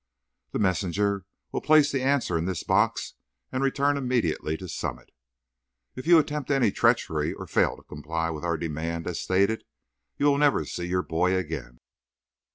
The messenger will place the answer in this box and return immediately to Summit. If you attempt any treachery or fail to comply with our demand as stated, you will never see your boy again.